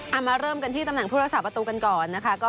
มาเริ่มกันที่ตำแหน่งผู้รักษาประตูกันก่อนนะคะ